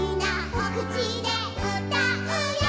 おくちでうたうよ